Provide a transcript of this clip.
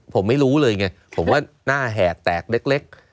ผมไม่รู้เลยไงผมว่าหน้าแหกแตกเล็ก